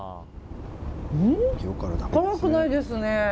辛くないですね。